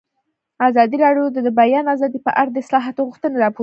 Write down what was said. ازادي راډیو د د بیان آزادي په اړه د اصلاحاتو غوښتنې راپور کړې.